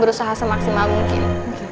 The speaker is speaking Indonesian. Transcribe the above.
berusaha semaksimal mungkin